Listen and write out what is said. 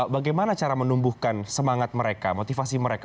bagaimana cara menumbuhkan semangat mereka motivasi mereka